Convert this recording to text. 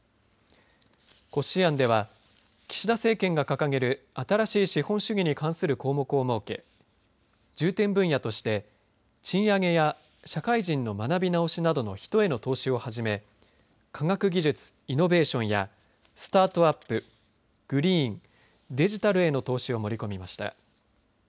骨子案では岸田政権が掲げる新しい資本主義に関する項目を設け重点分野として賃上げや社会人の学び直しなどの人への投資をはじめ科学技術・イノベーションやスタートアップグリーン、デジタルへの投資を盛り込みました。